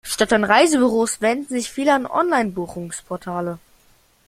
Statt an Reisebüros wenden sich viele an Online-Buchungsportale.